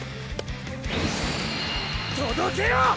届けろ！